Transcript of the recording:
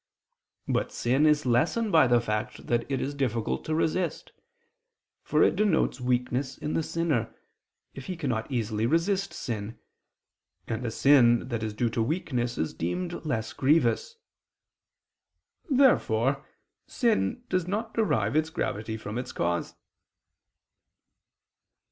But sin is lessened by the fact that it is difficult to resist; for it denotes weakness in the sinner, if he cannot easily resist sin; and a sin that is due to weakness is deemed less grievous. Therefore sin does not derive its gravity from its cause.